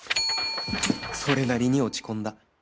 それなりに落ち込んだ